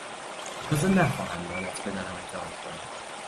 اجازه نخواهم داد از پدرم انتقاد کنی!